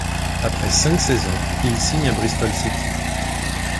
Après cinq saisons, il signe à Bristol City.